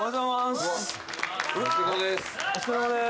うわ・お疲れさまです・